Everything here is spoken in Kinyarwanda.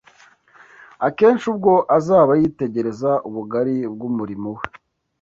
Akenshi ubwo azaba yitegereza ubugari bw’umurimo we